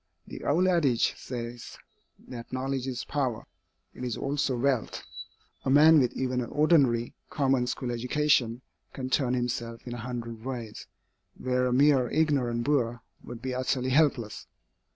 The old adage says that knowledge is power. It is also wealth. A man with even an ordinary, common school education, can turn himself in a hundred ways, where a mere ignorant boor would be utterly helpless.